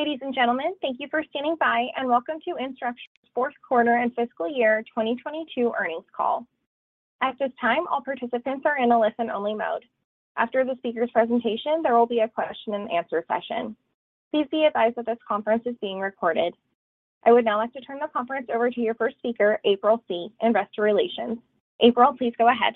Ladies and gentlemen, thank you for standing by and welcome to Instructure's fourth quarter and fiscal year 2022 earnings call. At this time, all participants are in a listen only mode. After the speaker's presentation, there will be a question and answer session. Please be advised that this conference is being recorded. I would now like to turn the conference over to your first speaker, April Scee, Investor Relations. April, please go ahead.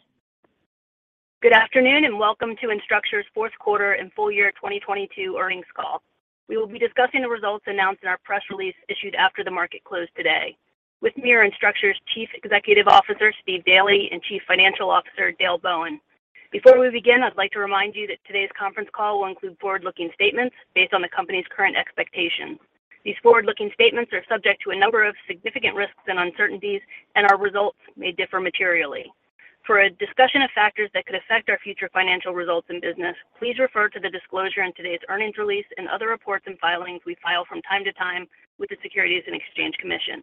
Good afternoon, and welcome to Instructure's fourth quarter and full year 2022 earnings call. We will be discussing the results announced in our press release issued after the market closed today. With me are Instructure's Chief Executive Officer, Steve Daly, and Chief Financial Officer, Dale Bowen. Before we begin, I'd like to remind you that today's conference call will include forward-looking statements based on the company's current expectations. These forward-looking statements are subject to a number of significant risks and uncertainties, and our results may differ materially. For a discussion of factors that could affect our future financial results and business, please refer to the disclosure in today's earnings release and other reports and filings we file from time to time with the Securities and Exchange Commission.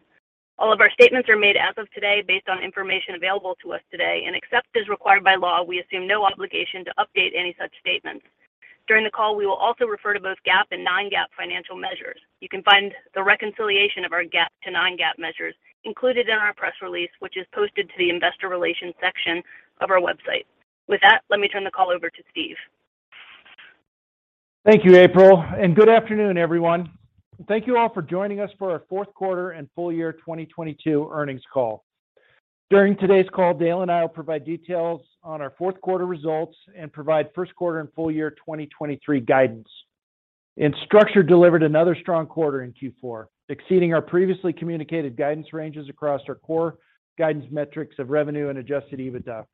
All of our statements are made as of today based on information available to us today. Except as required by law, we assume no obligation to update any such statements. During the call, we will also refer to both GAAP and non-GAAP financial measures. You can find the reconciliation of our GAAP to non-GAAP measures included in our press release, which is posted to the investor relations section of our website. With that, let me turn the call over to Steve. Thank you, April, good afternoon, everyone. Thank you all for joining us for our fourth quarter and full year 2022 earnings call. During today's call, Dale and I will provide details on our fourth quarter results and provide first quarter and full year 2023 guidance. Instructure delivered another strong quarter in Q4, exceeding our previously communicated guidance ranges across our core guidance metrics of revenue and Adjusted EBITDA.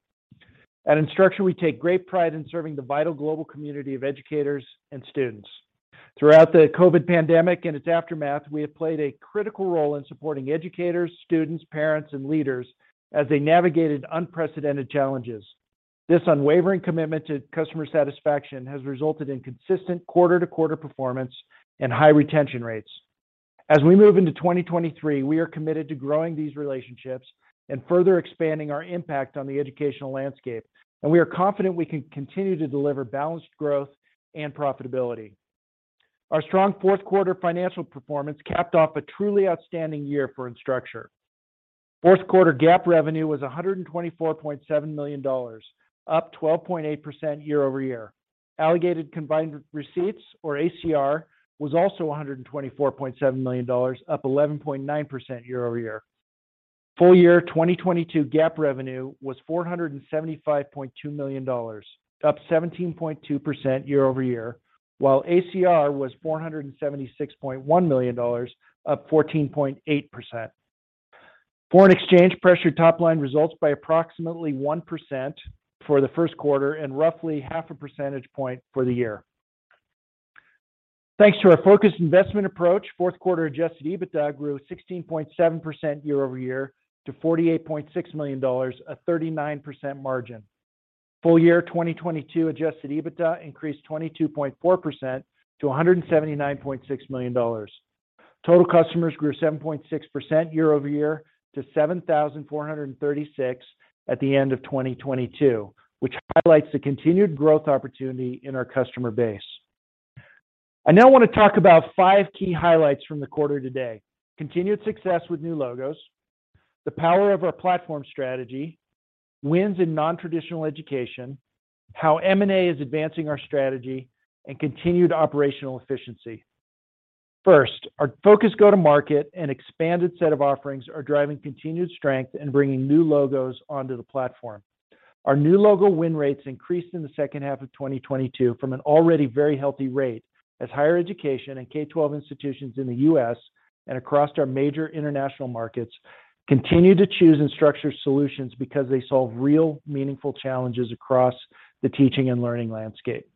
At Instructure, we take great pride in serving the vital global community of educators and students. Throughout the COVID pandemic and its aftermath, we have played a critical role in supporting educators, students, parents, and leaders as they navigated unprecedented challenges. This unwavering commitment to customer satisfaction has resulted in consistent quarter-to-quarter performance and high retention rates. As we move into 2023, we are committed to growing these relationships and further expanding our impact on the educational landscape. We are confident we can continue to deliver balanced growth and profitability. Our strong fourth quarter financial performance capped off a truly outstanding year for Instructure. Fourth quarter GAAP revenue was $124.7 million, up 12.8% year-over-year. Allocated Combined Receipts, or ACR, was also $124.7 million, up 11.9% year-over-year. Full year 2022 GAAP revenue was $475.2 million, up 17.2% year-over-year, while ACR was $476.1 million, up 14.8%. Foreign exchange pressure top-line results by approximately 1% for the first quarter and roughly 0.5 percentage point for the year. Thanks to our focused investment approach, fourth quarter Adjusted EBITDA grew 16.7% year-over-year to $48.6 million, a 39% margin. Full year 2022 Adjusted EBITDA increased 22.4% to $179.6 million. Total customers grew 7.6% year-over-year to $7,436 at the end of 2022, which highlights the continued growth opportunity in our customer base. I now want to talk about five key highlights from the quarter today. Continued success with new logos, the power of our platform strategy, wins in non-traditional education, how M&A is advancing our strategy, and continued operational efficiency. First, our focused go-to-market and expanded set of offerings are driving continued strength and bringing new logos onto the platform. Our new logo win rates increased in the second half of 2022 from an already very healthy rate as higher education and K-12 institutions in the U.S. and across our major international markets continue to choose Instructure solutions because they solve real, meaningful challenges across the teaching and learning landscape.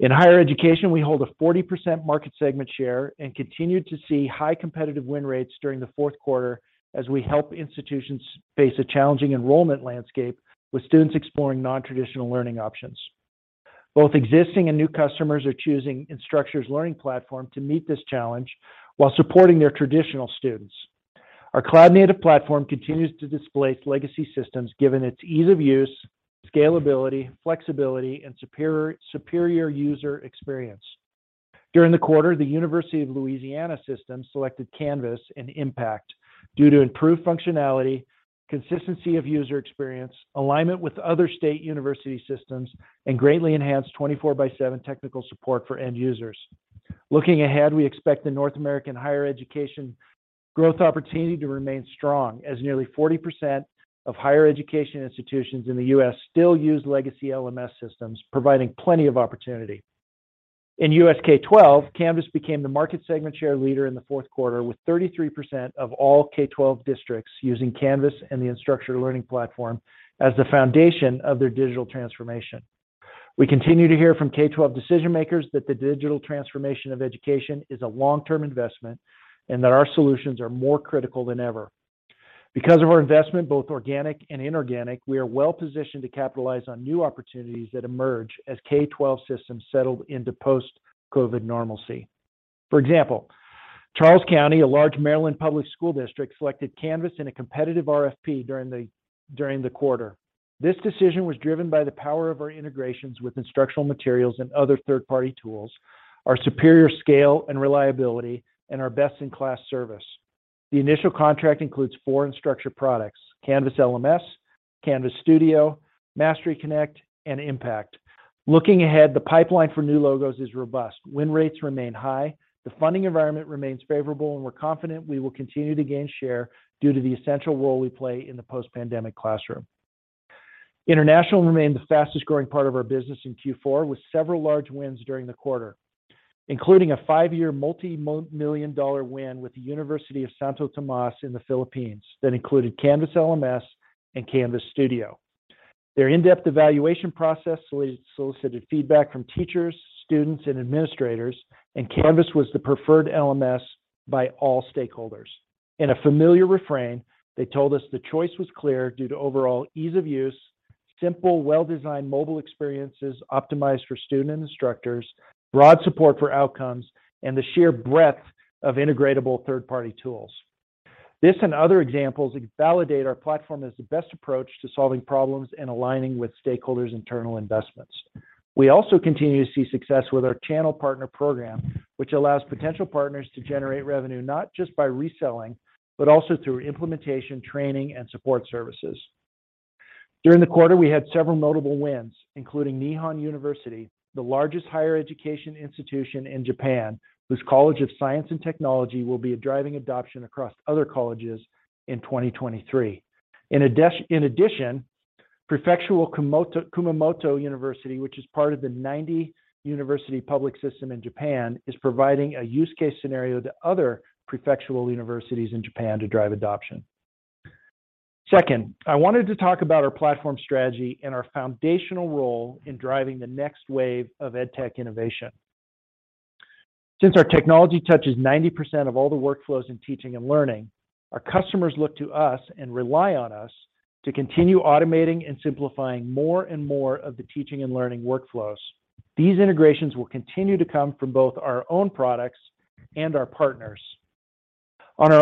In higher education, we hold a 40% market segment share and continued to see high competitive win rates during the fourth quarter as we help institutions face a challenging enrollment landscape with students exploring non-traditional learning options. Both existing and new customers are choosing Instructure's Learning Platform to meet this challenge while supporting their traditional students. Our cloud-native platform continues to displace legacy systems given its ease of use, scalability, flexibility, and superior user experience. During the quarter, the University of Louisiana System selected Canvas and Impact due to improved functionality, consistency of user experience, alignment with other state university systems, and greatly enhanced 24/7 technical support for end users. Looking ahead, we expect the North American higher education growth opportunity to remain strong as nearly 40% of higher education institutions in the U.S. still use legacy LMS systems, providing plenty of opportunity. In U.S. K-12, Canvas became the market segment share leader in the fourth quarter with 33% of all K-12 districts using Canvas and the Instructure Learning Platform as the foundation of their digital transformation. We continue to hear from K-12 decision-makers that the digital transformation of education is a long-term investment and that our solutions are more critical than ever. Because of our investment, both organic and inorganic, we are well-positioned to capitalize on new opportunities that emerge as K-12 systems settle into post-COVID normalcy. For example, Charles County, a large Maryland public school district, selected Canvas in a competitive RFP during the quarter. This decision was driven by the power of our integrations with instructional materials and other third-party tools, our superior scale and reliability, and our best-in-class service. The initial contract includes four Instructure products, Canvas LMS, Canvas Studio, Mastery Connect, and Impact. Looking ahead, the pipeline for new logos is robust. Win rates remain high, the funding environment remains favorable. We're confident we will continue to gain share due to the essential role we play in the post-pandemic classroom. International remained the fastest-growing part of our business in Q4, with several large wins during the quarter, including a 5-year multi-million-dollar win with the University of Santo Tomas in the Philippines that included Canvas LMS and Canvas Studio. Their in-depth evaluation process solicited feedback from teachers, students, and administrators, and Canvas was the preferred LMS by all stakeholders. In a familiar refrain, they told us the choice was clear due to overall ease of use, simple, well-designed mobile experiences optimized for student and instructors, broad support for outcomes, and the sheer breadth of integratable third-party tools. This and other examples validate our platform as the best approach to solving problems and aligning with stakeholders' internal investments. We also continue to see success with our channel partner program, which allows potential partners to generate revenue not just by reselling, but also through implementation, training, and support services. During the quarter, we had several notable wins, including Nihon University, the largest higher education institution in Japan, whose College of Science and Technology will be driving adoption across other colleges in 2023. In addition, Prefectural Kumamoto University, which is part of the 90 university public system in Japan, is providing a use case scenario to other prefectural universities in Japan to drive adoption. Second, I wanted to talk about our platform strategy and our foundational role in driving the next wave of edTech innovation. Since our technology touches 90% of all the workflows in teaching and learning, our customers look to us and rely on us to continue automating and simplifying more and more of the teaching and learning workflows. These integrations will continue to come from both our own products and our partners. Our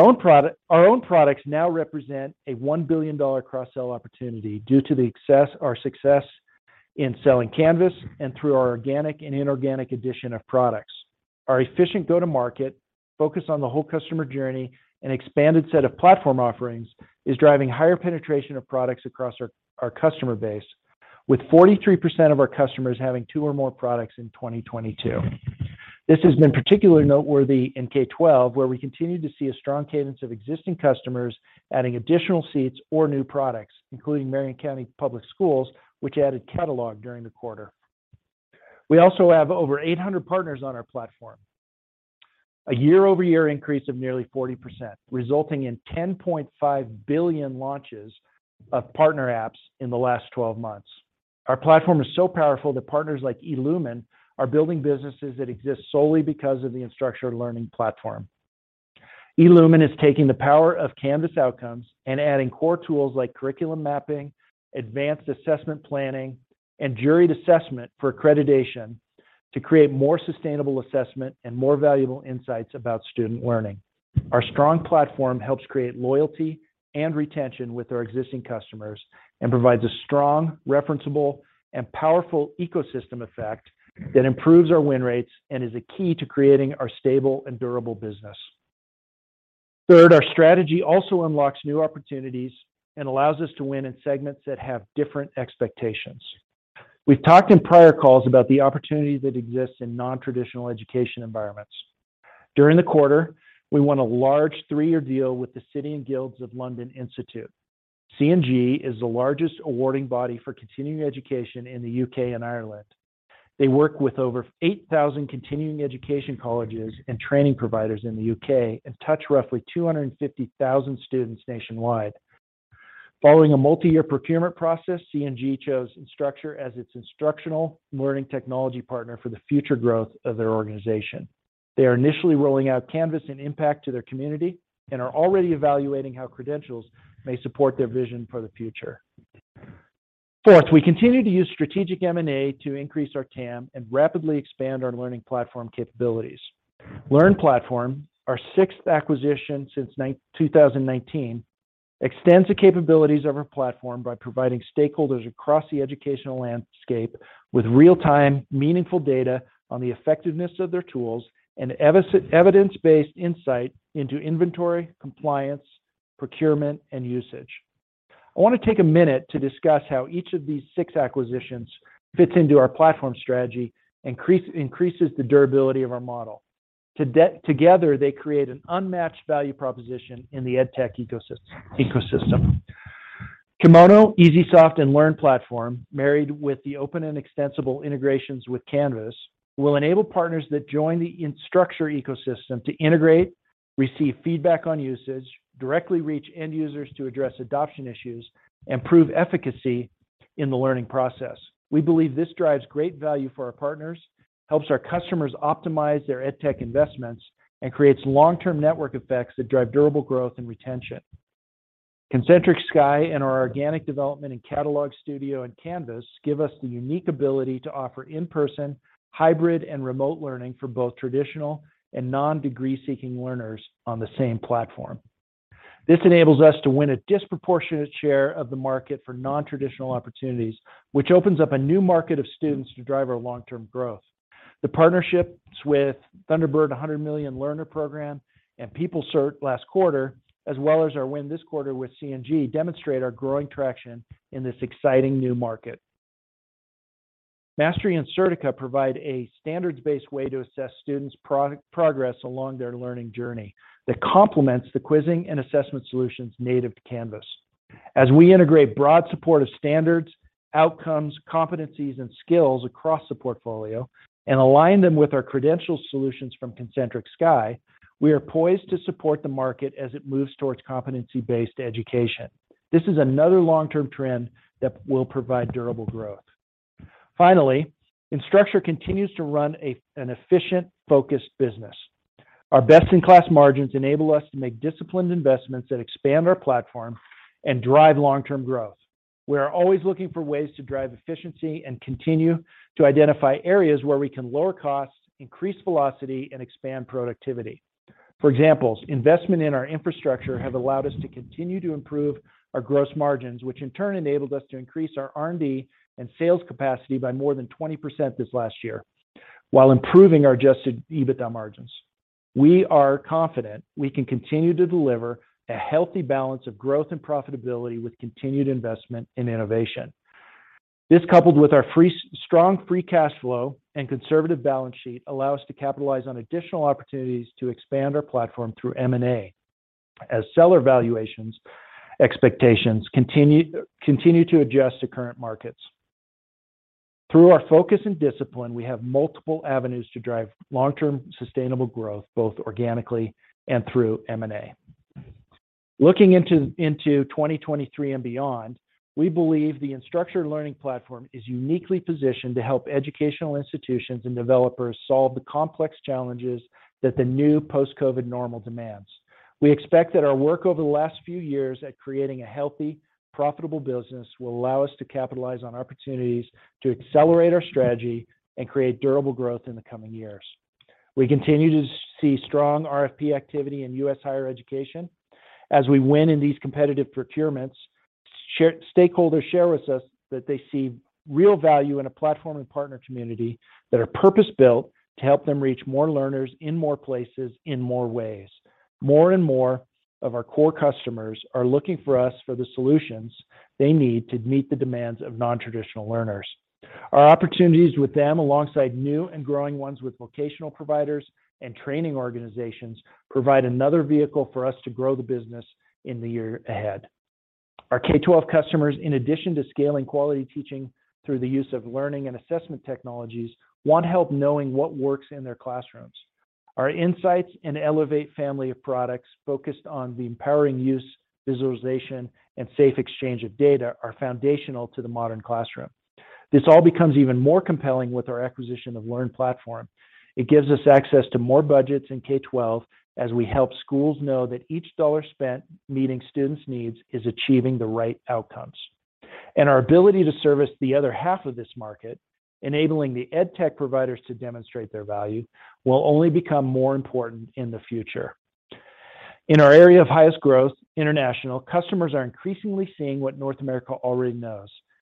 own products now represent a $1 billion cross-sell opportunity due to our success in selling Canvas and through our organic and inorganic addition of products. Our efficient go-to-market, focus on the whole customer journey, and expanded set of platform offerings is driving higher penetration of products across our customer base, with 43% of our customers having two or more products in 2022. This has been particularly noteworthy in K-12, where we continue to see a strong cadence of existing customers adding additional seats or new products, including Marion County Public Schools, which added Catalog during the quarter. We also have over 800 partners on our platform, a year-over-year increase of nearly 40%, resulting in 10.5 billion launches of partner apps in the last 12 months. Our platform is so powerful that partners like eLumen are building businesses that exist solely because of the Instructure Learning Platform. eLumen is taking the power of Canvas Outcomes and adding core tools like curriculum mapping, advanced assessment planning, and juried assessment for accreditation to create more sustainable assessment and more valuable insights about student learning. Our strong platform helps create loyalty and retention with our existing customers and provides a strong, referenceable, and powerful ecosystem effect that improves our win rates and is a key to creating our stable and durable business. Third, our strategy also unlocks new opportunities and allows us to win in segments that have different expectations. We've talked in prior calls about the opportunity that exists in non-traditional education environments. During the quarter, we won a large three-year deal with the City and Guilds of London Institute. City & Guilds is the largest awarding body for continuing education in the U.K. and Ireland. They work with over 8,000 continuing education colleges and training providers in the U.K. and touch roughly 250,000 students nationwide. Following a multi-year procurement process, City & Guilds chose Instructure as its instructional learning technology partner for the future growth of their organization. They are initially rolling out Canvas and Impact to their community and are already evaluating how Canvas Credentials may support their vision for the future. Fourth, we continue to use strategic M&A to increase our TAM and rapidly expand our learning platform capabilities. LearnPlatform, our 6th acquisition since 2019, extends the capabilities of our platform by providing stakeholders across the educational landscape with real-time, meaningful data on the effectiveness of their tools and evidence-based insight into inventory, compliance, procurement, and usage. I want to take a minute to discuss how each of these six acquisitions fits into our platform strategy, increases the durability of our model. Together, they create an unmatched value proposition in the edTech ecosystem. Kimono, EesySoft, and LearnPlatform, married with the open and extensible integrations with Canvas, will enable partners that join the Instructure ecosystem to integrate, receive feedback on usage, directly reach end users to address adoption issues, and prove efficacy in the learning process. We believe this drives great value for our partners, helps our customers optimize their edTech investments, and creates long-term network effects that drive durable growth and retention. Concentric Sky and our organic development in Catalog Studio and Canvas give us the unique ability to offer in-person, hybrid, and remote learning for both traditional and non-degree seeking learners on the same platform. This enables us to win a disproportionate share of the market for non-traditional opportunities, which opens up a new market of students to drive our long-term growth. The partnerships with Thunderbird, a 100 million learner program, and PeopleCert last quarter, as well as our win this quarter with C&G, demonstrate our growing traction in this exciting new market. Mastery and Certica provide a standards-based way to assess students' progress along their learning journey that complements the quizzing and assessment solutions native to Canvas. We integrate broad support of standards, outcomes, competencies, and skills across the portfolio and align them with our credential solutions from Concentric Sky, we are poised to support the market as it moves towards competency-based education. This is another long-term trend that will provide durable growth. Instructure continues to run an efficient, focused business. Our best-in-class margins enable us to make disciplined investments that expand our platform and drive long-term growth. We are always looking for ways to drive efficiency and continue to identify areas where we can lower costs, increase velocity, and expand productivity. For examples, investment in our infrastructure have allowed us to continue to improve our gross margins, which in turn enabled us to increase our R&D and sales capacity by more than 20% this last year while improving our Adjusted EBITDA margins. We are confident we can continue to deliver a healthy balance of growth and profitability with continued investment in innovation. This, coupled with our strong free cash flow and conservative balance sheet, allow us to capitalize on additional opportunities to expand our platform through M&A as seller valuations expectations continue to adjust to current markets. Through our focus and discipline, we have multiple avenues to drive long-term sustainable growth, both organically and through M&A. Looking into 2023 and beyond, we believe the Instructure Learning Platform is uniquely positioned to help educational institutions and developers solve the complex challenges that the new post-COVID normal demands. We expect that our work over the last few years at creating a healthy, profitable business will allow us to capitalize on opportunities to accelerate our strategy and create durable growth in the coming years. We continue to see strong RFP activity in U.S. higher education. As we win in these competitive procurements, stakeholders share with us that they see real value in a platform and partner community that are purpose-built to help them reach more learners in more places in more ways. More and more of our core customers are looking for us for the solutions they need to meet the demands of non-traditional learners. Our opportunities with them, alongside new and growing ones with vocational providers and training organizations, provide another vehicle for us to grow the business in the year ahead. Our K-12 customers, in addition to scaling quality teaching through the use of learning and assessment technologies, want help knowing what works in their classrooms. Our insights and elevate family of products focused on the empowering use, visualization, and safe exchange of data are foundational to the modern classroom. This all becomes even more compelling with our acquisition of LearnPlatform. It gives us access to more budgets in K-12 as we help schools know that each dollar spent meeting students' needs is achieving the right outcomes. Our ability to service the other half of this market, enabling the edtech providers to demonstrate their value, will only become more important in the future. In our area of highest growth, international, customers are increasingly seeing what North America already knows,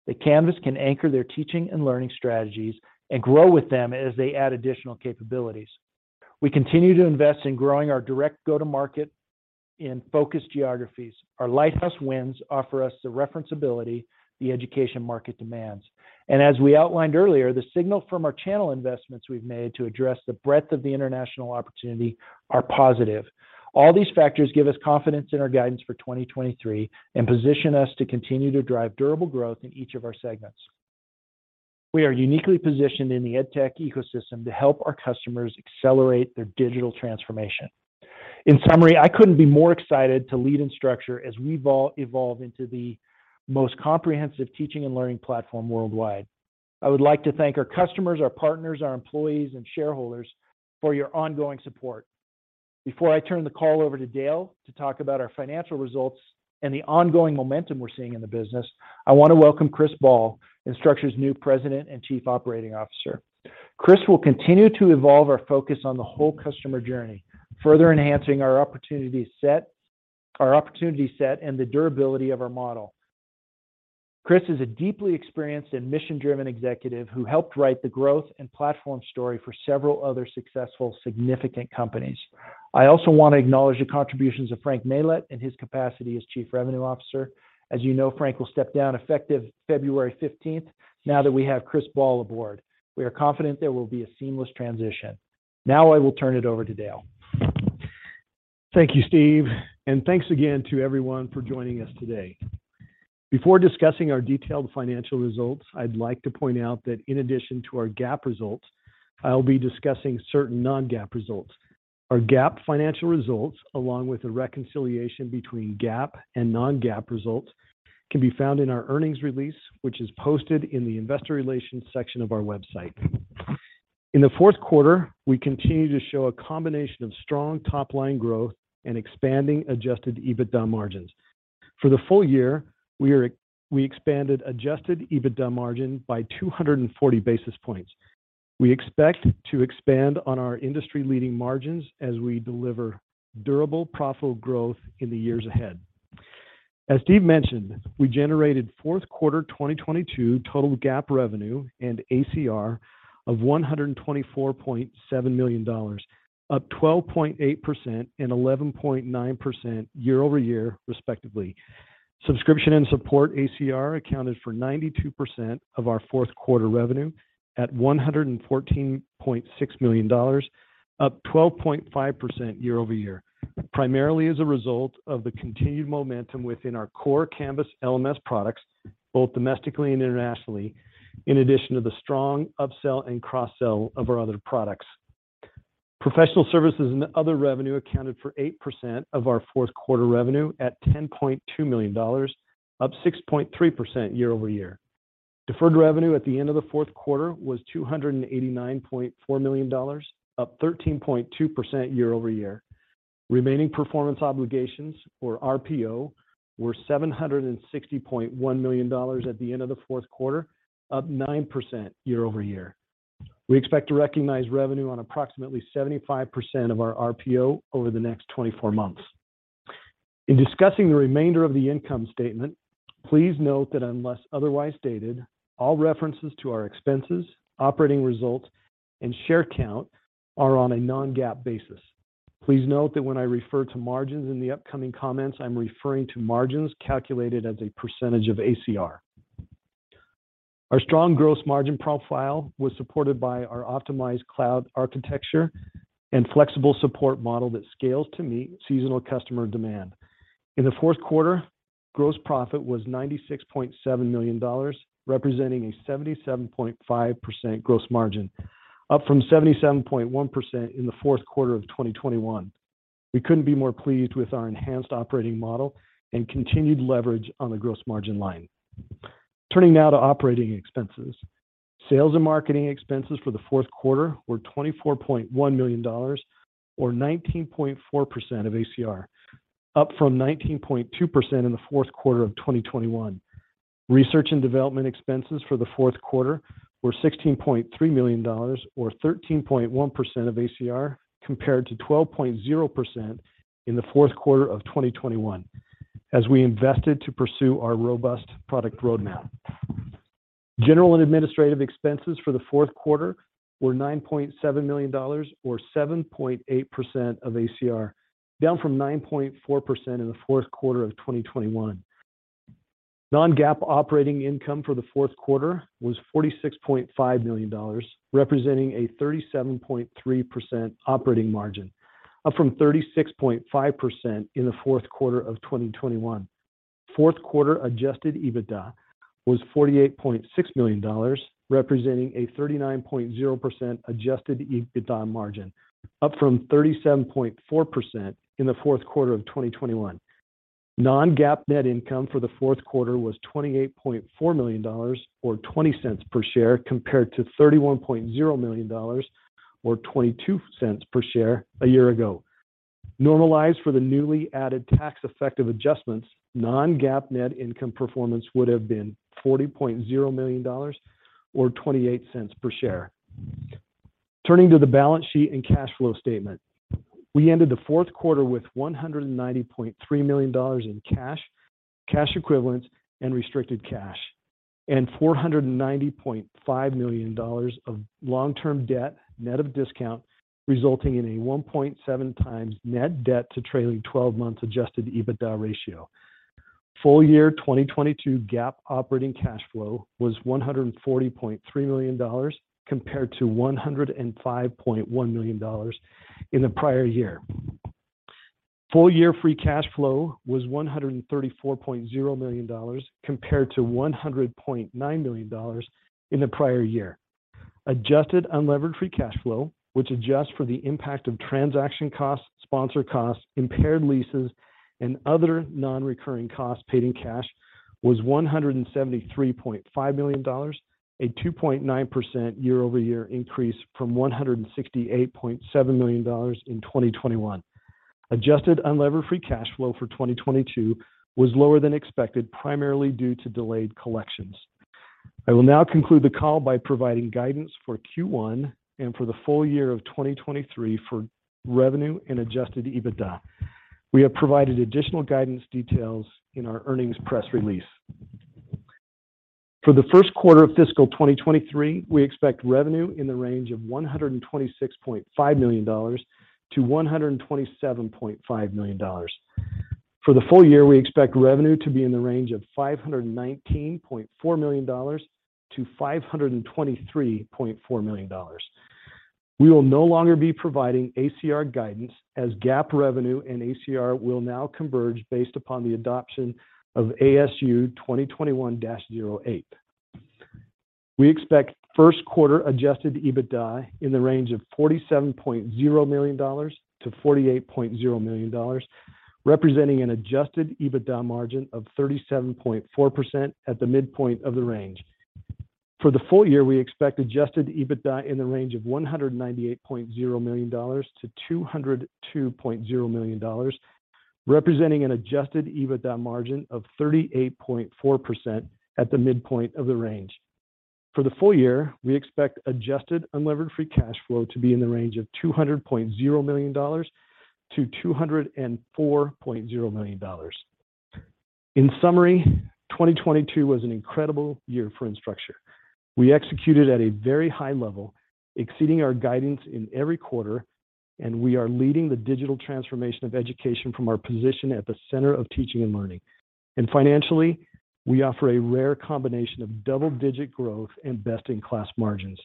that Canvas can anchor their teaching and learning strategies and grow with them as they add additional capabilities. We continue to invest in growing our direct go-to-market in focused geographies. Our lighthouse wins offer us the reference ability the education market demands. As we outlined earlier, the signal from our channel investments we've made to address the breadth of the international opportunity are positive. All these factors give us confidence in our guidance for 2023 and position us to continue to drive durable growth in each of our segments. We are uniquely positioned in the edtech ecosystem to help our customers accelerate their digital transformation. In summary, I couldn't be more excited to lead Instructure as we evolve into the most comprehensive teaching and learning platform worldwide. I would like to thank our customers, our partners, our employees and shareholders for your ongoing support. Before I turn the call over to Dale to talk about our financial results and the ongoing momentum we're seeing in the business, I want to welcome Chris Ball, Instructure's new President and Chief Operating Officer. Chris will continue to evolve our focus on the whole customer journey, further enhancing our opportunity set, and the durability of our model. Chris is a deeply experienced and mission-driven executive who helped write the growth and platform story for several other successful significant companies. I also want to acknowledge the contributions of Frank Maylett in his capacity as Chief Revenue Officer. As you know, Frank will step down effective February 15th now that we have Chris Ball aboard. We are confident there will be a seamless transition. Now I will turn it over to Dale. Thank you, Steve, and thanks again to everyone for joining us today. Before discussing our detailed financial results, I'd like to point out that in addition to our GAAP results, I'll be discussing certain non-GAAP results. Our GAAP financial results, along with a reconciliation between GAAP and non-GAAP results, can be found in our earnings release, which is posted in the Investor Relations section of our website. In the fourth quarter, we continued to show a combination of strong top-line growth and expanding Adjusted EBITDA margins. For the full year, we expanded Adjusted EBITDA margin by 240 basis points. We expect to expand on our industry-leading margins as we deliver durable profitable growth in the years ahead. As Steve mentioned, we generated fourth quarter 2022 total GAAP revenue and ACR of $124.7 million, up 12.8% and 11.9% year-over-year, respectively. Subscription and support ACR accounted for 92% of our fourth quarter revenue at $114.6 million, up 12.5% year-over-year, primarily as a result of the continued momentum within our core Canvas LMS products, both domestically and internationally, in addition to the strong upsell and cross-sell of our other products. Professional services and other revenue accounted for 8% of our fourth quarter revenue at $10.2 million, up 6.3% year-over-year. Deferred revenue at the end of the fourth quarter was $289.4 million, up 13.2% year-over-year. Remaining performance obligations, or RPO, were $760.1 million at the end of the fourth quarter, up 9% year-over-year. We expect to recognize revenue on approximately 75% of our RPO over the next 24 months. In discussing the remainder of the income statement, please note that unless otherwise stated, all references to our expenses, operating results, and share count are on a non-GAAP basis. Please note that when I refer to margins in the upcoming comments, I'm referring to margins calculated as a percentage of ACR. Our strong gross margin profile was supported by our optimized cloud architecture and flexible support model that scales to meet seasonal customer demand. In the fourth quarter, gross profit was $96.7 million, representing a 77.5% gross margin, up from 77.1% in the fourth quarter of 2021. We couldn't be more pleased with our enhanced operating model and continued leverage on the gross margin line. Turning now to operating expenses. Sales and marketing expenses for the fourth quarter were $24.1 million or 19.4% of ACR, up from 19.2% in the fourth quarter of 2021. Research and development expenses for the fourth quarter were $16.3 million or 13.1% of ACR, compared to 12.0% in the fourth quarter of 2021, as we invested to pursue our robust product roadmap. General and administrative expenses for the fourth quarter were $9.7 million or 7.8% of ACR, down from 9.4% in the fourth quarter of 2021. Non-GAAP operating income for the fourth quarter was $46.5 million, representing a 37.3% operating margin, up from 36.5% in the fourth quarter of 2021. Fourth quarter Adjusted EBITDA was $48.6 million, representing a 39.0% Adjusted EBITDA margin, up from 37.4% in the fourth quarter of 2021. Non-GAAP net income for the fourth quarter was $28.4 million or $0.20 per share, compared to $31.0 million or $0.22 per share a year ago. Normalized for the newly added tax effective adjustments, non-GAAP net income performance would have been $40.0 million or $0.28 per share. Turning to the balance sheet and cash flow statement. We ended the fourth quarter with $190.3 million in cash equivalents, and restricted cash, and $490.5 million of long-term debt net of discount, resulting in a 1.7x net debt to trailing twelve months Adjusted EBITDA ratio. Full year 2022 GAAP operating cash flow was $140.3 million compared to $105.1 million in the prior year. Full year free cash flow was $134.0 million compared to $100.9 million in the prior year. Adjusted unlevered free cash flow, which adjusts for the impact of transaction costs, sponsor costs, impaired leases, and other non-recurring costs paid in cash was $173.5 million, a 2.9% year-over-year increase from $168.7 million in 2021. Adjusted unlevered free cash flow for 2022 was lower than expected, primarily due to delayed collections. I will now conclude the call by providing guidance for Q1 and for the full year of 2023 for revenue and Adjusted EBITDA. We have provided additional guidance details in our earnings press release. For the first quarter of fiscal 2023, we expect revenue in the range of $126.5 million-$127.5 million. For the full year, we expect revenue to be in the range of $519.4 million-$523.4 million. We will no longer be providing ACR guidance as GAAP revenue and ACR will now converge based upon the adoption of ASU 2021-08. We expect first quarter Adjusted EBITDA in the range of $47.0 million-$48.0 million. Representing an Adjusted EBITDA margin of 37.4% at the midpoint of the range. For the full year, we expect Adjusted EBITDA in the range of $198.0 million-$202.0 million, representing an Adjusted EBITDA margin of 38.4% at the midpoint of the range. For the full year, we expect adjusted unlevered free cash flow to be in the range of $200.0 million-$204.0 million. In summary, 2022 was an incredible year for Instructure. We executed at a very high level, exceeding our guidance in every quarter, and we are leading the digital transformation of education from our position at the center of teaching and learning. Financially, we offer a rare combination of double-digit growth and best-in-class margins.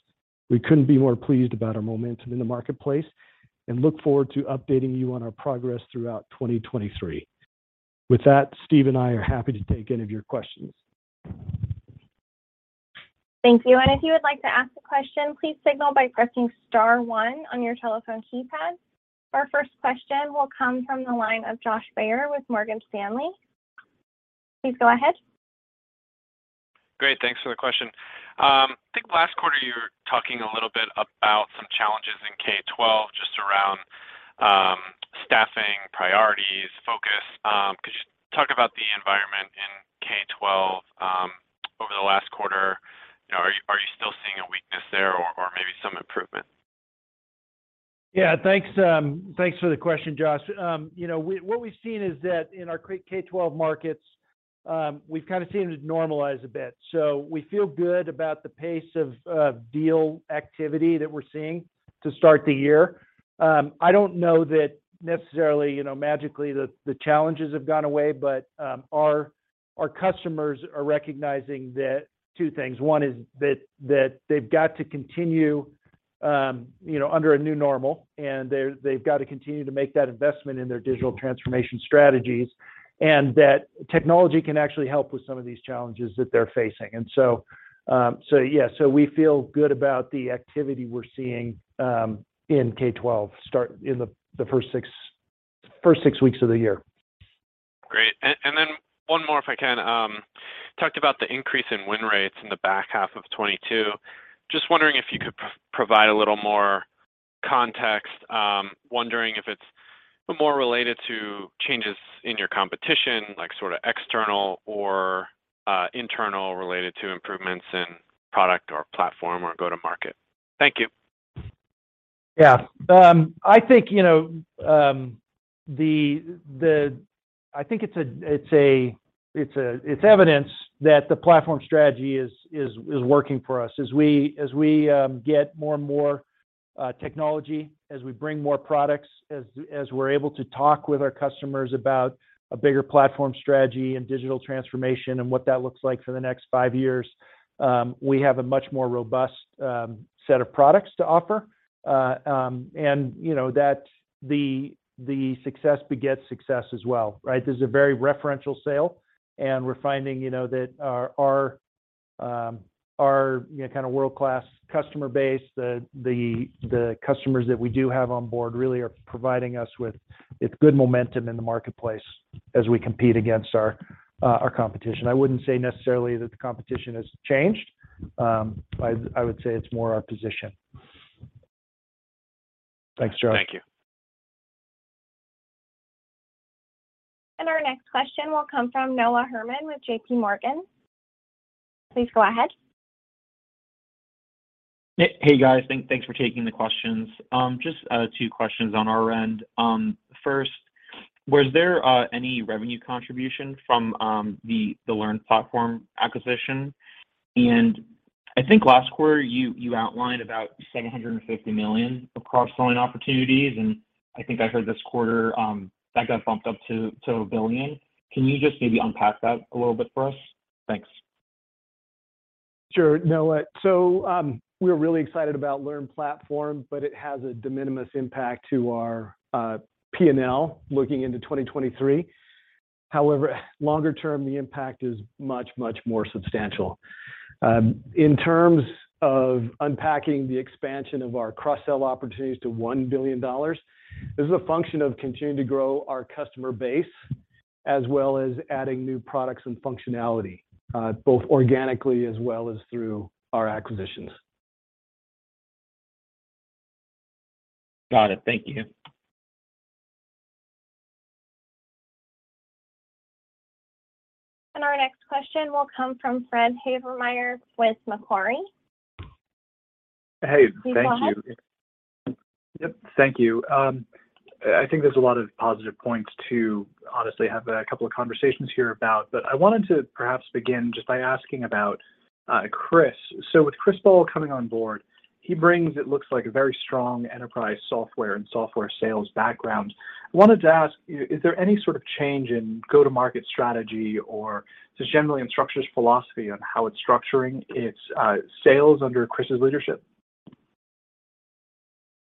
We couldn't be more pleased about our momentum in the marketplace and look forward to updating you on our progress throughout 2023. With that, Steve and I are happy to take any of your questions. Thank you. If you would like to ask a question, please signal by pressing star one on your telephone keypad. Our first question will come from the line of Josh Baer with Morgan Stanley. Please go ahead. Great. Thanks for the question. I think last quarter you were talking a little bit about some challenges in K-12 just around, staffing, priorities, focus. Could you talk about the environment in K-12, over the last quarter? You know, are you still seeing a weakness there or maybe some improvement? Yeah. Thanks, thanks for the question, Josh. You know, what we've seen is that in our K-12 markets, we've kinda seen it normalize a bit. We feel good about the pace of deal activity that we're seeing to start the year. I don't know that necessarily, you know, magically the challenges have gone away, but our customers are recognizing that two things. One is that they've got to continue, you know, under a new normal, and they've got to continue to make that investment in their digital transformation strategies, and that technology can actually help with some of these challenges that they're facing. Yeah. We feel good about the activity we're seeing in K-12 in the first six weeks of the year. Great. Then one more, if I can. Talked about the increase in win rates in the back half of 2022. Just wondering if you could provide a little more context. Wondering if it's more related to changes in your competition, like sorta external or internal related to improvements in product or platform or go to market? Thank you. I think, you know, it's evidence that the platform strategy is working for us. As we get more and more technology, as we bring more products, as we're able to talk with our customers about a bigger platform strategy and digital transformation and what that looks like for the next five years, we have a much more robust set of products to offer. You know, that success begets success as well, right? This is a very referential sale, and we're finding, you know, that our, you know, kinda world-class customer base, the customers that we do have on board really are providing us with good momentum in the marketplace as we compete against our competition.I wouldn't say necessarily that the competition has changed. I would say it's more our position. Thanks, Josh. Thank you. Our next question will come from Noah Herman with JPMorgan. Please go ahead. Hey, guys. Thanks for taking the questions. Just two questions on our end. First, was there any revenue contribution from the LearnPlatform acquisition? I think last quarter you outlined about $750 million of cross-selling opportunities, and I think I heard this quarter that got bumped up to $1 billion. Can you just maybe unpack that a little bit for us? Thanks. Sure, Noah. We're really excited about LearnPlatform, but it has a de minimis impact to our P&L looking into 2023. However, longer term, the impact is much, much more substantial. In terms of unpacking the expansion of our cross-sell opportunities to $1 billion, this is a function of continuing to grow our customer base, as well as adding new products and functionality, both organically as well as through our acquisitions. Got it. Thank you. Our next question will come from Fred Havemeyer with Macquarie. Hey, thank you. Please go ahead. Yep, thank you. I think there's a lot of positive points to honestly have a couple of conversations here about. I wanted to perhaps begin just by asking about Chris. With Chris Ball coming on board, he brings it looks like a very strong enterprise software and software sales background. I wanted to ask, you know, is there any sort of change in go-to-market strategy or just generally in Instructure's philosophy on how it's structuring its sales under Chris's leadership?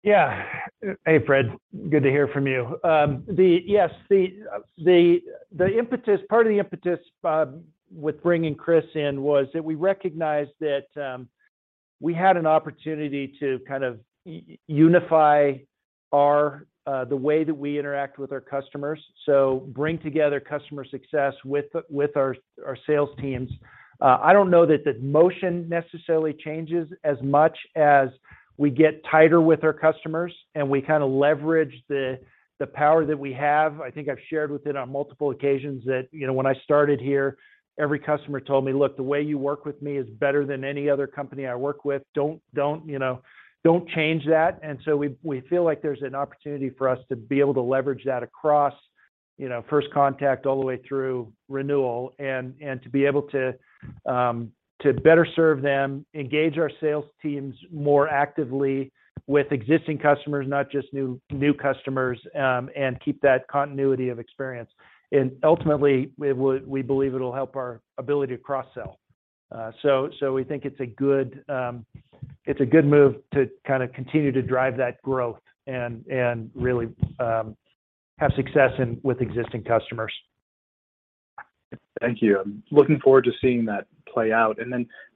Yeah. Hey, Fred. Good to hear from you. Yes. The impetus, part of the impetus, with bringing Chris in was that we recognized that we had an opportunity to kind of unify our the way that we interact with our customers. Bring together customer success with our sales teams. I don't know that the motion necessarily changes as much as we get tighter with our customers, and we kinda leverage the power that we have. I think I've shared with it on multiple occasions that, you know, when I started here, every customer told me, "Look, the way you work with me is better than any other company I work with. Don't, you know, don't change that." We feel like there's an opportunity for us to be able to leverage that across, you know, first contact all the way through renewal and to be able to better serve them, engage our sales teams more actively with existing customers, not just new customers, and keep that continuity of experience. Ultimately, we believe it'll help our ability to cross-sell. So we think it's a good, it's a good move to kinda continue to drive that growth and really have success in with existing customers. Thank you. I'm looking forward to seeing that play out.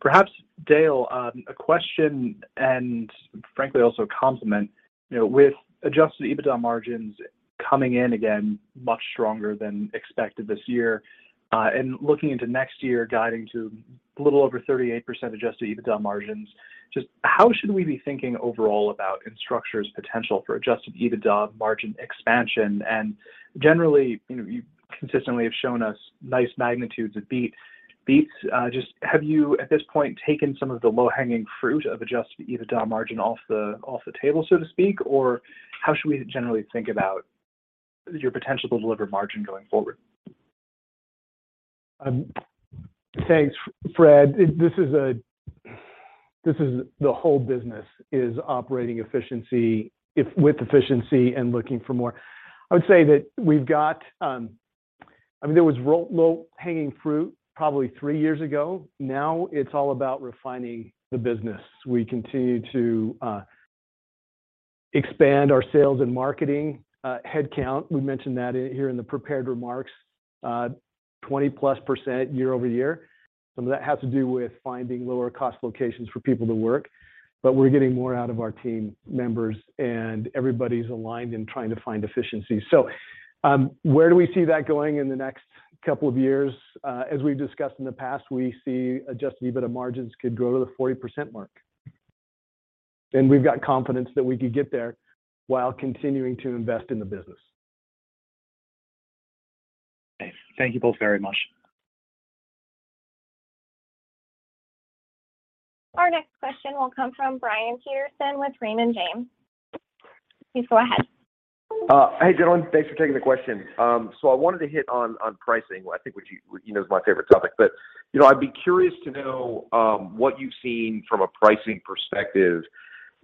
Perhaps, Dale, a question and frankly, also a compliment. You know, with Adjusted EBITDA margins coming in again much stronger than expected this year, looking into next year, guiding to a little over 38% Adjusted EBITDA margins, just how should we be thinking overall about Instructure's potential for Adjusted EBITDA margin expansion? Generally, you know, you consistently have shown us nice magnitudes of beats. Just have you at this point, taken some of the low-hanging fruit of Adjusted EBITDA margin off the table, so to speak? Or how should we generally think about your potential to deliver margin going forward? Thanks, Fred. This is the whole business is operating efficiency, with efficiency and looking for more. I would say that we've got, I mean, there was low-hanging fruit probably three years ago. Now it's all about refining the business. We continue to expand our sales and marketing headcount. We mentioned that here in the prepared remarks, 20%+ year-over-year. Some of that has to do with finding lower cost locations for people to work, but we're getting more out of our team members, and everybody's aligned in trying to find efficiency. Where do we see that going in the next couple of years? As we've discussed in the past, we see Adjusted EBITDA margins could go to the 40% mark. We've got confidence that we could get there while continuing to invest in the business. Okay. Thank you both very much. Our next question will come from Brian Peterson with Raymond James. Please go ahead. Hey, gentlemen. Thanks for taking the question. I wanted to hit on pricing. I think which you know, is my favorite topic. You know, I'd be curious to know, what you've seen from a pricing perspective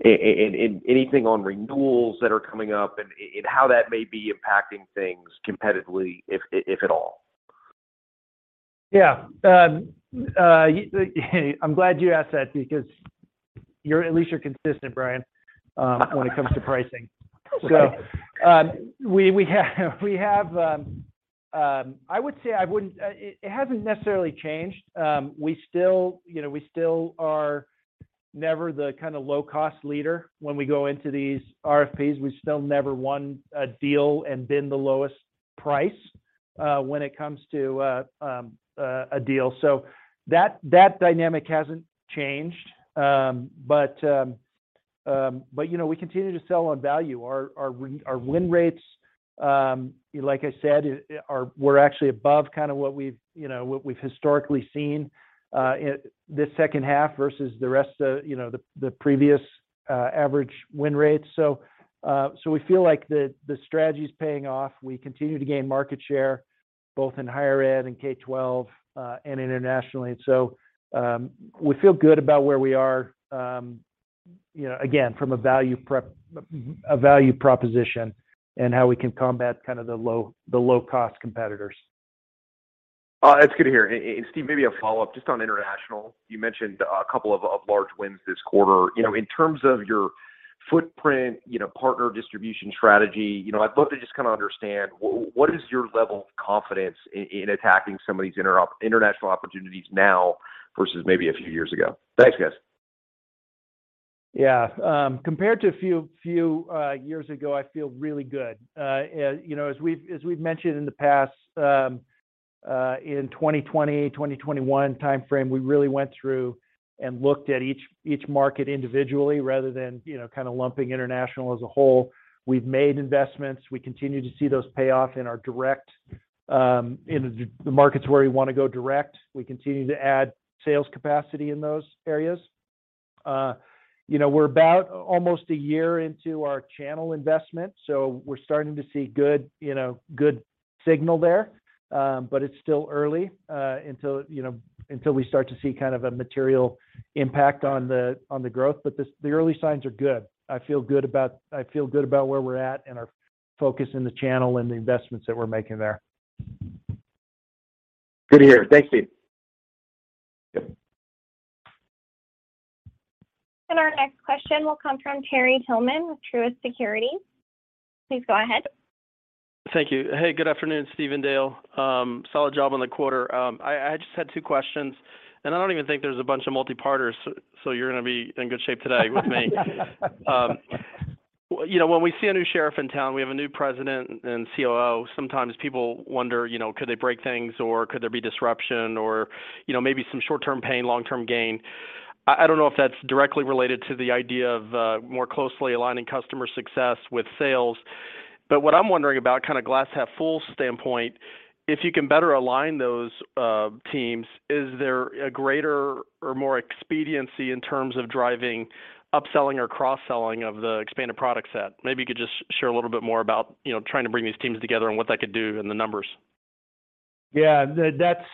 and anything on renewals that are coming up and how that may be impacting things competitively, if at all. Yeah. Hey, I'm glad you asked that because you're, at least you're consistent, Brian, when it comes to pricing. Okay. It hasn't necessarily changed. We still, you know, are never the kinda low cost leader when we go into these RFPs. We've still never won a deal and been the lowest price when it comes to a deal. That dynamic hasn't changed. You know, we continue to sell on value. Our win rates, like I said, were actually above kinda what we've, you know, what we've historically seen in this second half versus the rest of, you know, the previous average win rates. We feel like the strategy's paying off. We continue to gain market share both in higher ed and K-12 and internationally. We feel good about where we are, you know, again, from a value proposition and how we can combat kind of the low-cost competitors. That's good to hear. Steve, maybe a follow-up just on international. You mentioned a couple of large wins this quarter. You know, in terms of your footprint, you know, partner distribution strategy, you know, I'd love to just kind of understand what is your level of confidence in attacking some of these international opportunities now versus maybe a few years ago. Thanks, guys. Yeah. Compared to a few years ago, I feel really good. You know, as we've mentioned in the past, in 2020, 2021 timeframe, we really went through and looked at each market individually rather than, you know, kinda lumping international as a whole. We've made investments. We continue to see those pay off in our direct, in the markets where we wanna go direct. We continue to add sales capacity in those areas. You know, we're about almost a year into our channel investment, so we're starting to see good, you know, good signal there. It's still early, until, you know, until we start to see kind of a material impact on the, on the growth. The early signs are good. I feel good about where we're at and our focus in the channel and the investments that we're making there. Good to hear. Thanks, Steve. Yeah. Our next question will come from Terry Tillman with Truist Securities. Please go ahead. Thank you. Hey, good afternoon, Steve and Dale. Solid job on the quarter. I just had two questions, and I don't even think there's a bunch of multi-parters, so you're gonna be in good shape today with me. You know, when we see a new sheriff in town, we have a new president and COO, sometimes people wonder, you know, could they break things or could there be disruption or, you know, maybe some short-term pain, long-term gain. I don't know if that's directly related to the idea of more closely aligning customer success with sales. What I'm wondering about, kind of glass half full standpoint, if you can better align those teams, is there a greater or more expediency in terms of driving upselling or cross-selling of the expanded product set? Maybe you could just share a little bit more about, you know, trying to bring these teams together and what that could do in the numbers. Yeah.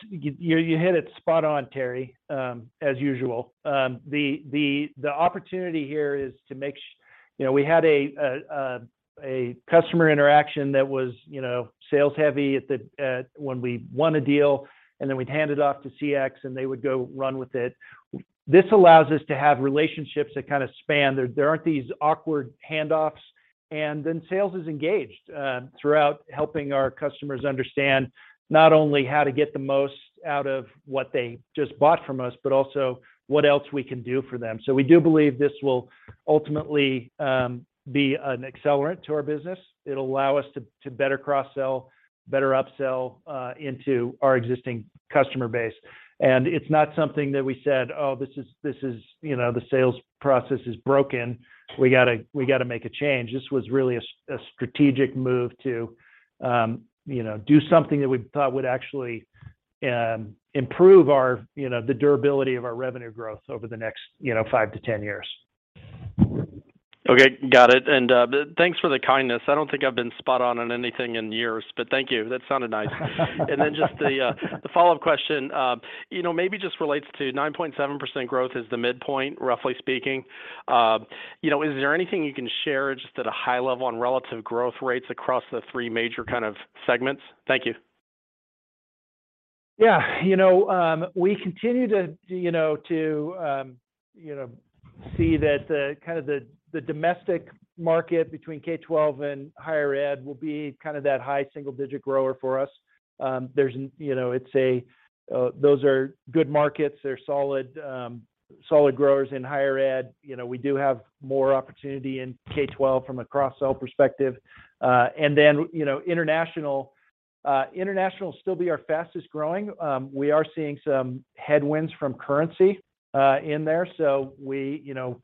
You hit it spot on, Terry, as usual. The opportunity here is, you know, we had a customer interaction that was, you know, sales heavy when we won a deal, and then we'd hand it off to CX and they would go run with it. This allows us to have relationships that kind of span. There aren't these awkward handoffs, and then sales is engaged throughout helping our customers understand not only how to get the most out of what they just bought from us, but also what else we can do for them. We do believe this will ultimately be an accelerant to our business. It'll allow us to better cross-sell, better upsell into our existing customer base. It's not something that we said, "Oh, this is, you know, the sales process is broken. We gotta make a change." This was really a strategic move to, you know, do something that we thought would actually, improve our, you know, the durability of our revenue growth over the next, you know, five to 10 years. Okay. Got it. Thanks for the kindness. I don't think I've been spot on anything in years, but thank you. That sounded nice. Then just the follow-up question, you know, maybe just relates to 9.7% growth is the midpoint, roughly speaking. You know, is there anything you can share just at a high level on relative growth rates across the three major kind of segments? Thank you. Yeah. You know, we continue to, you know, see that the kind of the domestic market between K-12 and higher ed will be kind of that high single-digit grower for us. There's, you know, it's a. Those are good markets. They're solid growers in higher ed. You know, we do have more opportunity in K-12 from a cross-sell perspective. You know, international. International will still be our fastest growing. We are seeing some headwinds from currency in there. We, you know,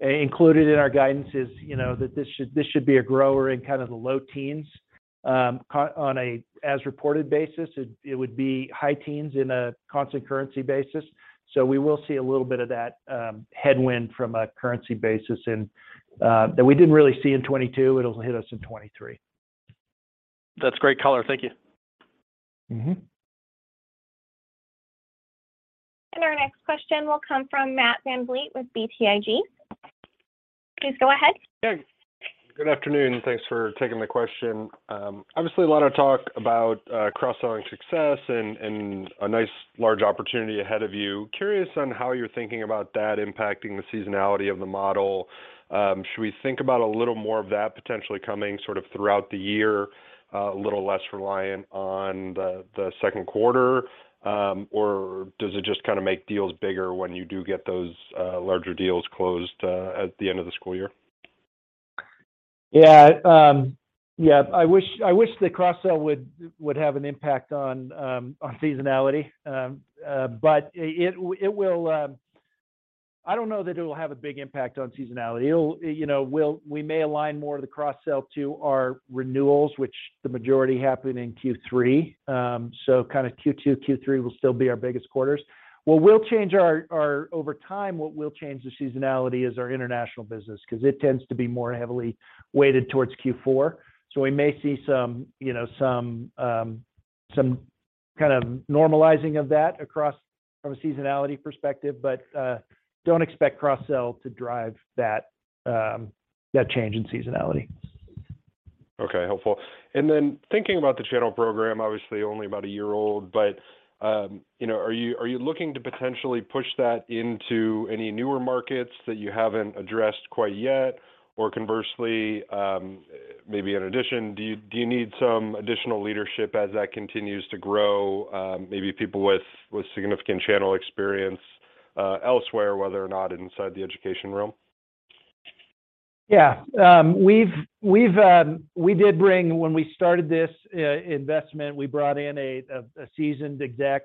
included in our guidance is, you know, that this should be a grower in kind of the low teens. On an as-reported basis, it would be high teens in a constant currency basis. We will see a little bit of that headwind from a currency basis and that we didn't really see in 2022, it'll hit us in 2023. That's great color. Thank you. Mm-hmm. Our next question will come from Matt VanVliet with BTIG. Please go ahead. Hey. Good afternoon, thanks for taking the question. Obviously a lot of talk about cross-selling success and a nice large opportunity ahead of you. Curious on how you're thinking about that impacting the seasonality of the model? Should we think about a little more of that potentially coming sort of throughout the year, a little less reliant on the second quarter? Does it just kind of make deals bigger when you do get those larger deals closed at the end of the school year? Yeah. Yeah, I wish the cross-sell would have an impact on seasonality. It will... I don't know that it will have a big impact on seasonality. It'll... You know, we may align more of the cross-sell to our renewals, which the majority happen in Q3. Kind of Q2, Q3 will still be our biggest quarters. What will change our over time, what will change the seasonality is our international business 'cause it tends to be more heavily weighted towards Q4. We may see some, you know, some kind of normalizing of that across from a seasonality perspective, but don't expect cross-sell to drive that change in seasonality. Okay. Helpful. Thinking about the channel program, obviously only about a year old, but, you know, are you looking to potentially push that into any newer markets that you haven't addressed quite yet? Or conversely, maybe in addition, do you need some additional leadership as that continues to grow, maybe people with significant channel experience elsewhere, whether or not inside the education realm? Yeah. When we started this investment, we brought in a seasoned exec,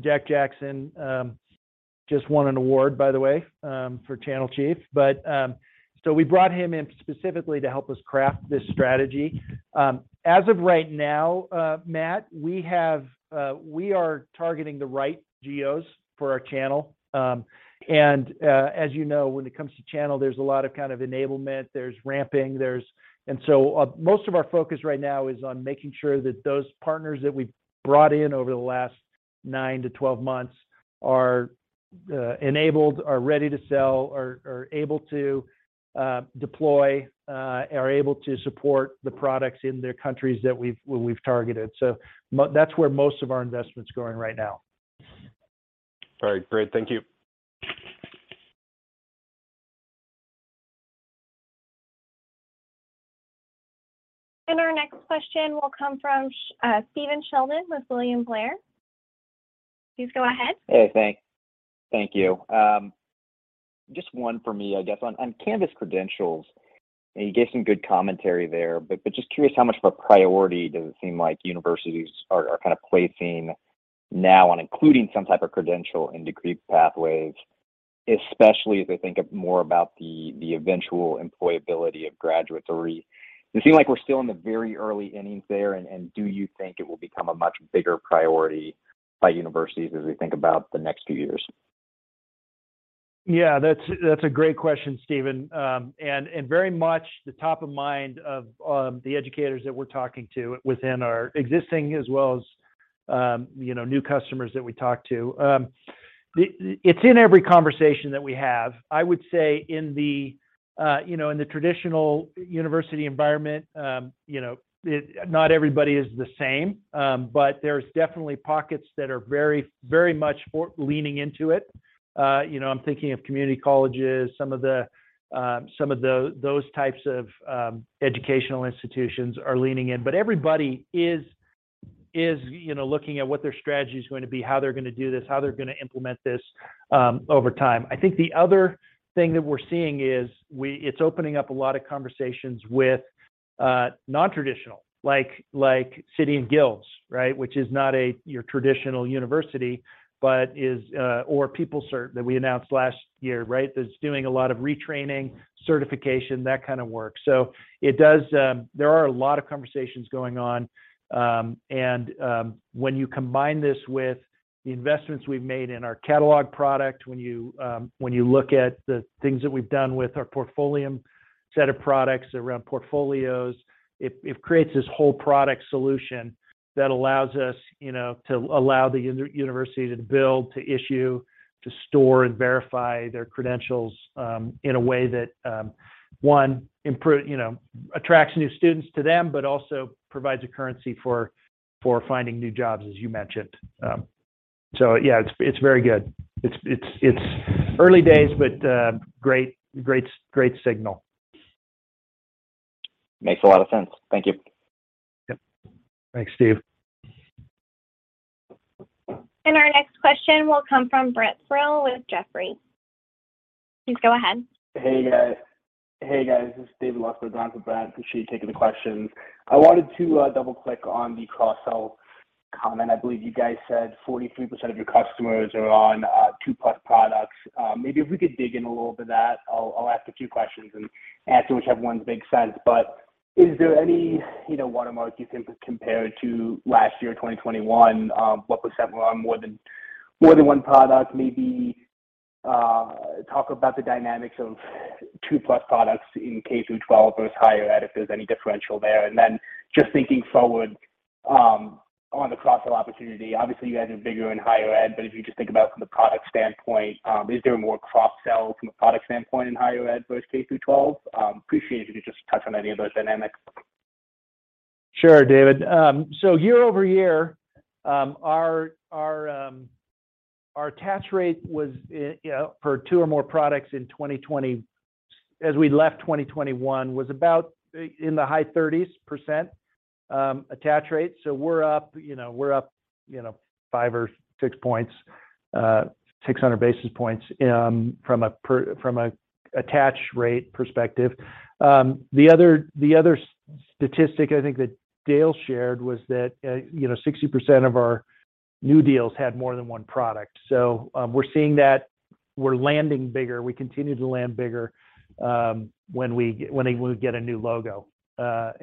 Jack Jackson, just won an award, by the way, for channel chief. We brought him in specifically to help us craft this strategy. As of right now, Matt, we have we are targeting the right geos for our channel. As you know, when it comes to channel, there's a lot of kind of enablement, there's ramping, there's... Most of our focus right now is on making sure that those partners that we've brought in over the last 9 to 12 months are enabled, are ready to sell, are able to deploy, are able to support the products in their countries that we've targeted. That's where most of our investment's going right now. All right. Great. Thank you. Our next question will come from Stephen Sheldon with William Blair. Please go ahead. Hey, thank you. Just one for me, I guess on Canvas Credentials, and you gave some good commentary there. Just curious how much of a priority does it seem like universities are kinda placing now on including some type of credential in degree pathways, especially as they think of more about the eventual employability of graduates? Does it seem like we're still in the very early innings there? Do you think it will become a much bigger priority by universities as we think about the next few years? Yeah, that's a great question, Stephen. Very much the top of mind of the educators that we're talking to within our existing as well as, you know, new customers that we talk to. It's in every conversation that we have. I would say in the, you know, in the traditional university environment, you know, not everybody is the same. There's definitely pockets that are very much leaning into it. You know, I'm thinking of community colleges. Some of the, some of those types of educational institutions are leaning in. Everybody is, you know, looking at what their strategy is going to be, how they're gonna do this, how they're gonna implement this over time. I think the other thing that we're seeing is it's opening up a lot of conversations with non-traditional, like City & Guilds, right? Which is not a, your traditional university, but is. PeopleCert that we announced last year, right? That's doing a lot of retraining, certification, that kind of work. It does, there are a lot of conversations going on. When you combine this with the investments we've made in our Catalog product, when you, when you look at the things that we've done with our Portfolium set of products around portfolios, it creates this whole product solution that allows us, you know, to allow the university to build, to issue, to store and verify their credentials, in a way that, one, improve, you know, attracts new students to them, but also provides a currency for finding new jobs, as you mentioned. Yeah, it's very good. It's, it's early days, but, great, great signal. Makes a lot of sense. Thank you. Yep. Thanks, Steve. Our next question will come from Brent Thill with Jefferies. Please go ahead. Hey guys, this is David Lustberg down for Brent. Appreciate you taking the questions. I wanted to double-click on the cross-sell comment. I believe you guys said 43% of your customers are on 2+ products. Maybe if we could dig in a little bit that I'll ask a few questions, and answer whichever ones make sense. Is there any, you know, watermark you can compare to last year, 2021? What percent were on more than one product? Maybe talk about the dynamics of 2+ products in K through 12 versus higher ed, if there's any differential there. Just thinking forward on the cross-sell opportunity, obviously you guys are bigger in higher ed, but if you just think about from the product standpoint, is there more cross-sell from a product standpoint in higher ed versus K-12? Appreciate if you could just touch on any of those dynamics. Sure, David. Year over year, our attach rate was, you know, for two or more products in 2020, as we left 2021, was about in the high 30%, attach rate. We're up, you know, we're up, you know, 500 basis points or 600 basis points, 600 basis points, from a attach rate perspective. The other statistic I think that Dale shared was that, you know, 60% of our new deals had more than one product. We're seeing that we're landing bigger. We continue to land bigger, when we get a new logo. I,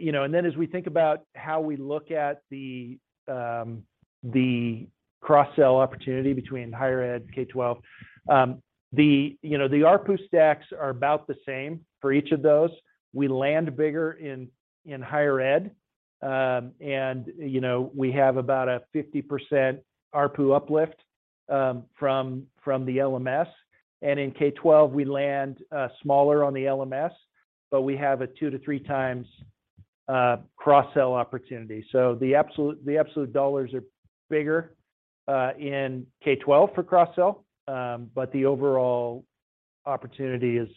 you know... As we think about how we look at the cross-sell opportunity between higher ed, K-12, you know, the ARPU stacks are about the same for each of those. We land bigger in higher ed. You know, we have about a 50% ARPU uplift from the LMS. In K-12, we land smaller on the LMS, but we have a two to 3 times cross-sell opportunity. The absolute dollars are bigger in K-12 for cross-sell. The overall opportunity is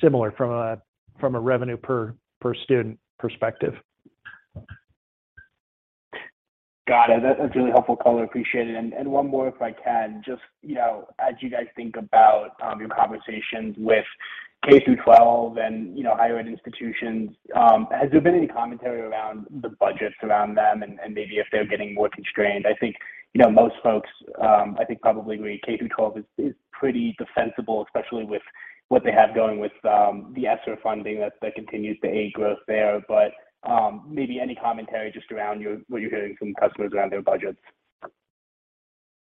similar from a revenue per student perspective. Got it. That's a really helpful color. Appreciate it. One more, if I can. Just, you know, as you guys think about your conversations with K through twelve and, you know, higher ed institutions, has there been any commentary around the budgets around them and maybe if they're getting more constrained? I think, you know, most folks, I think probably agree K through twelve is pretty defensible, especially with what they have going with the ESSER funding that continues to aid growth there. Maybe any commentary just around your, what you're hearing from customers around their budgets?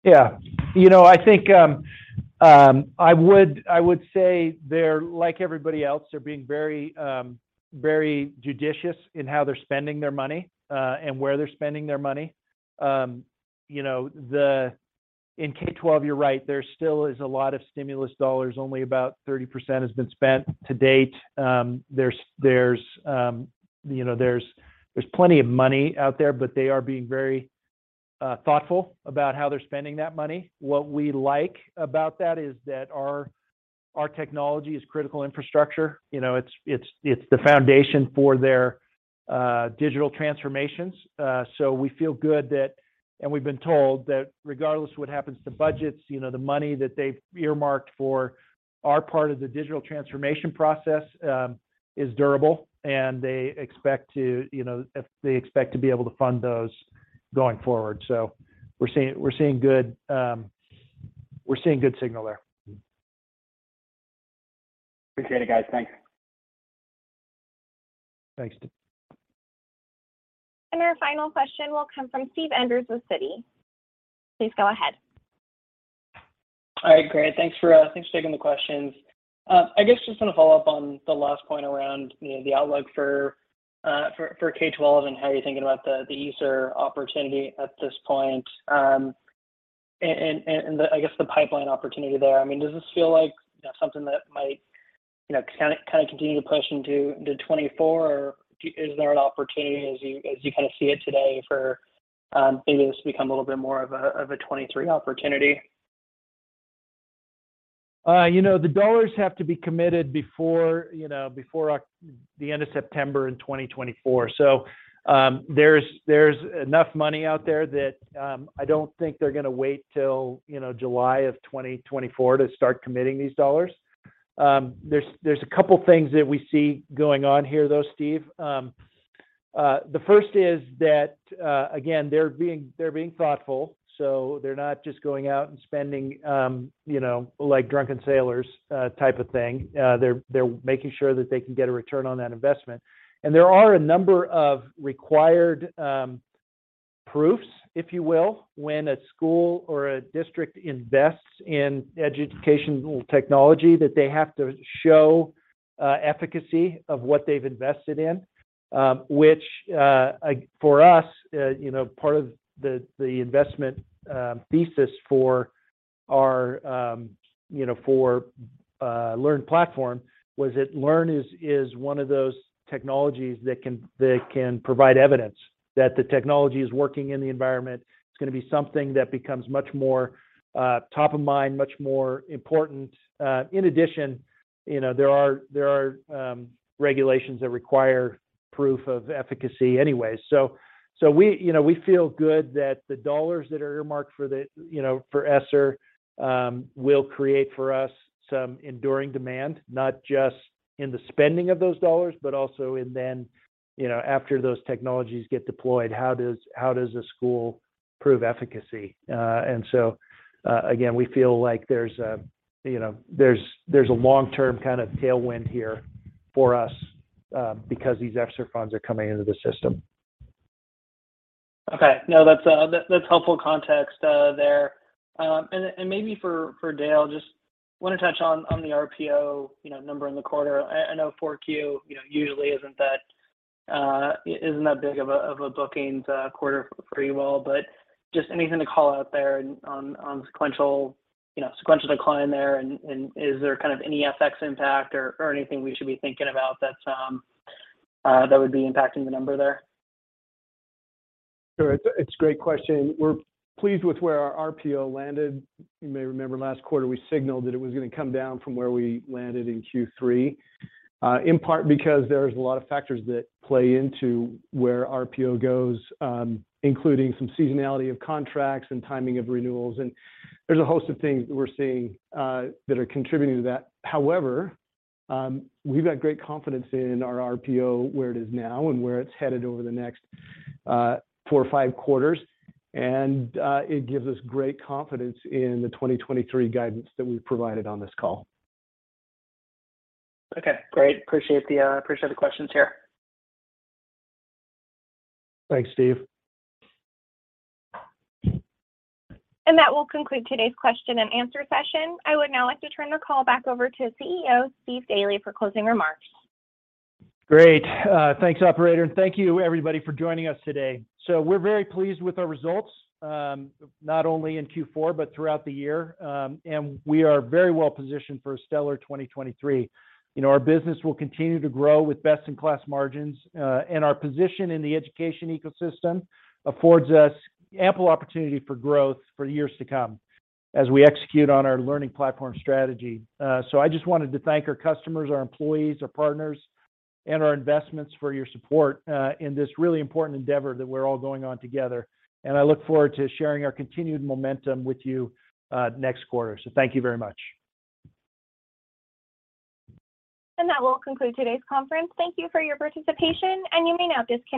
Yeah. You know, I think, I would say they're like everybody else. They're being very judicious in how they're spending their money and where they're spending their money. You know, in K-12, you're right, there still is a lot of stimulus dollars. Only about 30% has been spent to date. There's, you know, there's plenty of money out there, but they are being very thoughtful about how they're spending that money. What we like about that is that our technology is critical infrastructure. You know, it's the foundation for their digital transformations. We feel good that., we've been told that regardless of what happens to budgets, you know, the money that they've earmarked for our part of the digital transformation process, is durable, and they expect to, you know, they expect to be able to fund those going forward. We're seeing good, we're seeing good signal there. Appreciate it, guys. Thanks. Thanks, Steve. Our final question will come from Steve Enders with Citi. Please go ahead. All right. Great. Thanks for, thanks for taking the questions. I guess just wanna follow up on the last point around, you know, the outlook for K-12 and how you're thinking about the ESSER opportunity at this point. The, I guess the pipeline opportunity there. I mean, does this feel like, you know, something that might, you know, kind of continue to push into 2024? Or is there an opportunity as you, as you kind of see it today for maybe this to become a little bit more of a 2023 opportunity? You know, the dollars have to be committed before, you know, the end of September in 2024. There's enough money out there that I don't think they're gonna wait till, you know, July of 2024 to start committing these dollars. There's a couple things that we see going on here though, Steve. The first is that again, they're being thoughtful, they're not just going out and spending, you know, like drunken sailors, type of thing. They're making sure that they can get a return on that investment. There are a number of required proofs, if you will, when a school or a district invests in educational technology that they have to show efficacy of what they've invested in. which, you know, part of the investment, thesis for our, you know, for LearnPlatform was that Learn is one of those technologies that can, that can provide evidence that the technology is working in the environment. It's gonna be something that becomes much more, top of mind, much more important. in addition, you know, there are, there are, regulations that require proof of efficacy anyway. we, you know, we feel good that the dollars that are earmarked for the, you know, for ESSER, will create for us some enduring demand, not just in the spending of those dollars, but also in then, you know, after those technologies get deployed, how does a school prove efficacy? Again, we feel like there's a long-term kind of tailwind here for us because these ESSER funds are coming into the system. Okay. No, that's helpful context there. Maybe for Dale, just wanna touch on the RPO, you know, number in the quarter. I know 4Q, you know, usually isn't that big of a bookings quarter for you all, but just anything to call out there on sequential, you know, sequential decline there. Is there kind of any FX impact or anything we should be thinking about that would be impacting the number there? Sure. It's a, it's a great question. We're pleased with where our RPO landed. You may remember last quarter we signaled that it was gonna come down from where we landed in Q3, in part because there's a lot of factors that play into where RPO goes, including some seasonality of contracts and timing of renewals. There's a host of things that we're seeing that are contributing to that. However, we've got great confidence in our RPO where it is now and where it's headed over the next four or five quarters. It gives us great confidence in the 2023 guidance that we've provided on this call. Okay. Great. Appreciate the questions here. Thanks, Steve. That will conclude today's question and answer session. I would now like to turn the call back over to CEO Steve Daly for closing remarks. Great. Thanks, operator, and thank you everybody for joining us today. We're very pleased with our results, not only in Q4 but throughout the year. We are very well positioned for a stellar 2023. You know, our business will continue to grow with best-in-class margins. Our position in the education ecosystem affords us ample opportunity for growth for years to come as we execute on our learning platform strategy. I just wanted to thank our customers, our employees, our partners, and our investments for your support in this really important endeavor that we're all going on together. I look forward to sharing our continued momentum with you next quarter. Thank you very much. That will conclude today's conference. Thank you for your participation, and you may now disconnect.